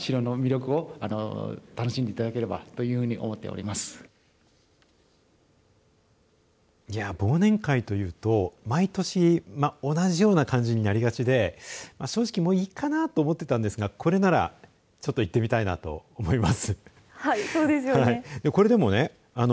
いや、忘年会というと毎年同じような感じになりがちで正直、もういいかなと思っていたんですが、これならちょっと行ってみたいなと思います。